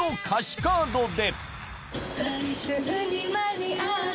カードで